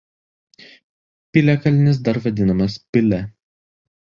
Piliakalnis dar vadinamas Pile.